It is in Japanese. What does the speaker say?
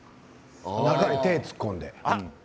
中に手を突っ込んで。